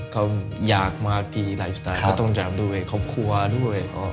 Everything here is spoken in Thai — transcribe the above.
ก็อยากมากที่ไลฟ์สไตล์ก็ต้องจำด้วยครบครัวด้วย